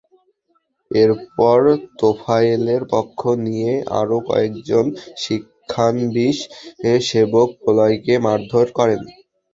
এরপর তোফায়েলের পক্ষ নিয়ে আরও কয়েকজন শিক্ষানবিশ সেবক প্রলয়কে মারধর করেন।